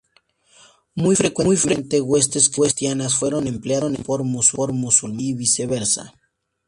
Muy frecuentemente, huestes cristianas fueron empleadas por musulmanes, y viceversa.